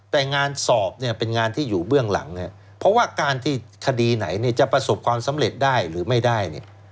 แต่งานสอบเนี่ยเป็นงานที่อยู่เบื้องหลังเพราะว่าการที่คดีไหนเนี่ยจะประสบความสำเร็จได้หรือไม่ได้เนี่ย